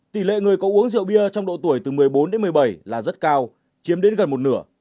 tỷ lệ người có uống rượu bia trong độ tuổi từ một mươi bốn đến một mươi bảy là rất cao chiếm đến gần một nửa